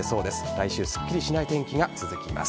来週すっきりしない天気が続きます。